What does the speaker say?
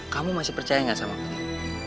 kamu masih percaya gak sama aku nih